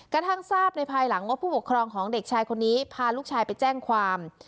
กระทั่งทราบในภายหลังว่าผู้ปกครองของเด็กชายคนนี้พาลูกชายไปแจ้งความ